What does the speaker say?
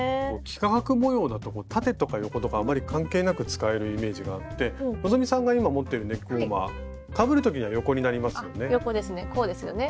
幾何学模様だと縦とか横とかあんまり関係なく使えるイメージがあって希さんが今持ってるネックウォーマーかぶる時には横になりますよね。